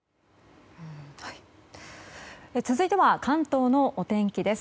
続いては関東のお天気です。